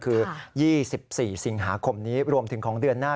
คือ๒๔สิงหาคมนี้รวมถึงของเดือนหน้า